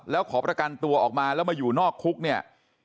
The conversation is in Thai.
แล้วขอประกันตัวออกมาแล้วมาอยู่นอกคุกเนี่ย